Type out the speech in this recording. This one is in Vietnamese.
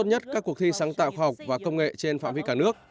nhất các cuộc thi sáng tạo khoa học và công nghệ trên phạm vi cả nước